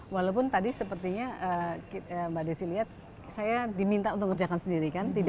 walaupun tadi sepertinya mbak desi lihat saya diminta untuk ngerjakan sendiri kan